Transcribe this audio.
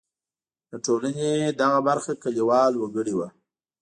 د ټولنې دغه برخه کلیوال وګړي وو.